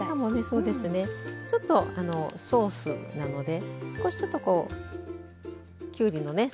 そうですねちょっとソースなので少しちょっとこうきゅうりのね